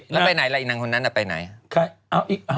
นี่รู้สึกจะเป็นไห้เซอ